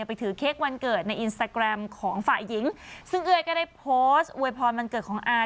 ไปถือเค้กวันเกิดในอินสตาแกรมของฝ่ายหญิงซึ่งเอ้ยก็ได้โพสต์อวยพรวันเกิดของอา